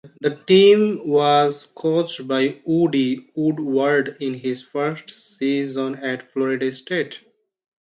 The team was coached by Woody Woodward in his first season at Florida State.